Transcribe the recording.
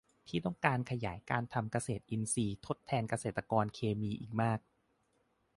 ที่ต้องการขยายการทำเกษตรอินทรีย์ทดแทนเกษตรเคมีอีกมาก